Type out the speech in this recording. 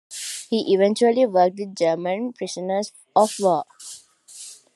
He eventually worked with German prisoners of war.